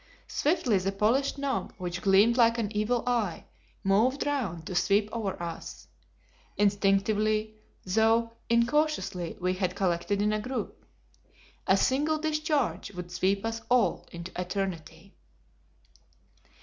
Swiftly the polished knob, which gleamed like an evil eye, moved round to sweep over us. Instinctively, though incautiously, we had collected in a group. A single discharge would sweep us all into eternity.